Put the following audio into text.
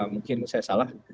mungkin saya salah